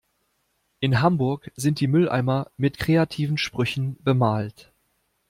In Hamburg sind die Mülleimer mit kreativen Sprüchen bemalt.